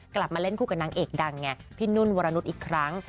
กลับมาเล่นคู่กับนางเอกดังไงพี่นุ่นวรนุษย์อีกครั้ง